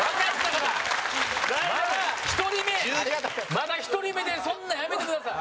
まだ１人目でそんなんやめてください。